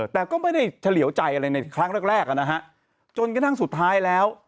แต่ก็ไม่ได้เฉลี่ยวใจอะไรในครั้งแรกแรกอ่ะนะฮะจนกระทั่งสุดท้ายแล้ว